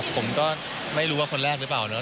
ผมก็ไม่รู้ว่าคนแรกหรือเปล่าเนาะ